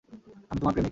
আমি তোমার প্রেমিক।